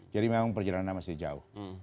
jadi memang perjalanan masih jauh